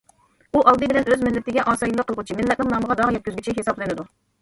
ئۇ ئالدى بىلەن ئۆز مىللىتىگە ئاسىيلىق قىلغۇچى، مىللەتنىڭ نامىغا داغ يەتكۈزگۈچى ھېسابلىنىدۇ.